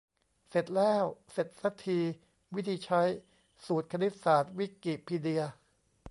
เสร็จแล้ว เสร็จซะที วิธีใช้ : สูตรคณิตศาสตร์ วิกิพีเดีย